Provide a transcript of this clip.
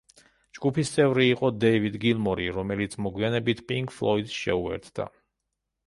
ჯგუფის წევრი იყო დევიდ გილმორი, რომელიც მოგვიანებით პინკ ფლოიდს შეუერთდა.